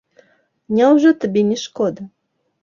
Няўжо табе не шкода?